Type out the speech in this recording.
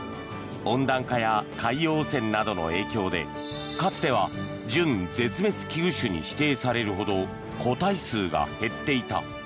温暖化や海洋汚染などの影響でかつては準絶滅危惧種に指定されるほど個体数が減っていた。